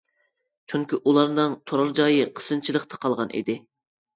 چۈنكى ئۇلارنىڭ تۇرار جاي قىسىنچىلىقتا قالغان ئىدى.